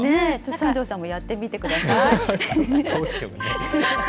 三條さんもやってみてください。